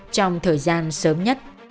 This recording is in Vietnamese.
trong thời gian sớm nhất